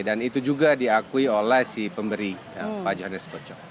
dan itu juga diakui oleh si pemberi pak johannes kocok